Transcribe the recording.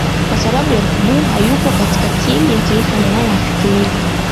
Kwa sababu Yakubu hayupo katika timu ya taifa na wala hafikiriwi